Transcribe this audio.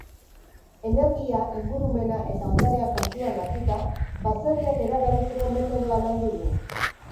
Energia, ingurumena eta ondarea kontuan hartuta, baserriak eraberritzeko metodoa landu du.